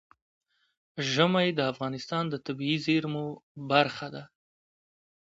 ژمی د افغانستان د طبیعي زیرمو برخه ده.